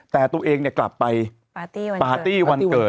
แต่ตัวเองกลับไปปาร์ตี้วันเกิด